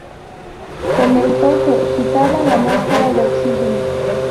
Comentó que ""Quitaba la máscara de oxígeno.